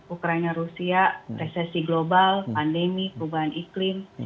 ukraina rusia resesi global pandemi perubahan iklim